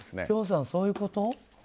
辺さん、そういうこと？